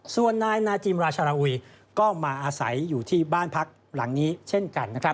ส่วนนายนาจิมราชราอุยก็มาอาศัยอยู่ที่บ้านพักหลังนี้เช่นกันนะครับ